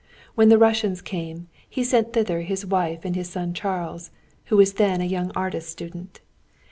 When the Russians came, he sent thither his wife and his son Charles, who was then a young artist student.